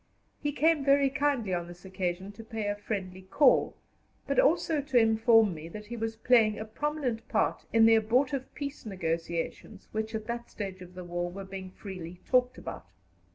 He came very kindly on this occasion to pay a friendly call, but also to inform me that he was playing a prominent part in the abortive peace negotiations which at that stage of the war were being freely talked about.